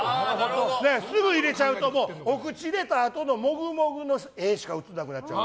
すぐ入れちゃうとお口入れたあとモグモグの画しか映らなくなっちゃう。